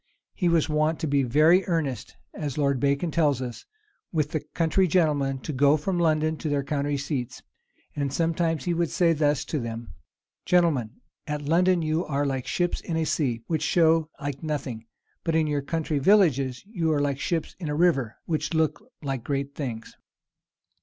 "He was wont to be very earnest," as Lord Bacon tells us, "with the country gentlemen to go from London to their country seats. And sometimes he would say thus to them: 'Gentlemen, at London you are like ships in a sea, which show like nothing; but in your country villages you are like ships in a river, which look like great things.